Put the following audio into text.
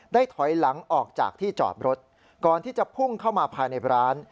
ถอยหลังออกจากที่จอดรถก่อนที่จะพุ่งเข้ามาภายในร้าน